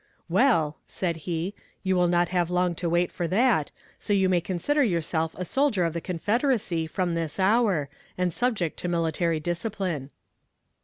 "Well," said he, "you will not have long to wait for that, so you may consider yourself a soldier of the Confederacy from this hour, and subject to military discipline."